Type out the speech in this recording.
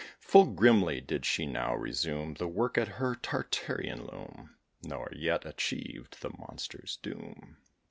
Full grimly did she now resume The work at her Tartarean loom, Nor yet achieved the monsters doom.